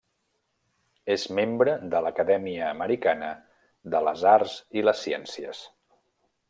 És membre de l'Acadèmia Americana de les Arts i les Ciències.